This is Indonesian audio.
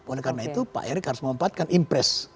oleh karena itu pak erick harus memanfaatkan impres